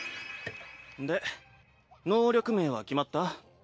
で能力名は決まった？